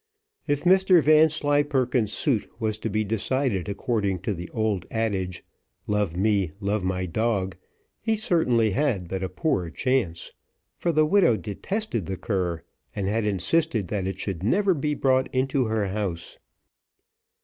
If Mr Vanslyperken's suit was to be decided according to the old adage, "love me, love my dog," he certainly had but a poor chance; for the widow detested the cur, and had insisted that it should never be brought into her house.